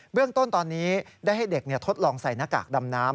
เรื่องต้นตอนนี้ได้ให้เด็กทดลองใส่หน้ากากดำน้ำ